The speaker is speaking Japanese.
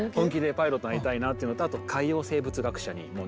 パイロットになりたいなっていうのとあと海洋生物学者？え！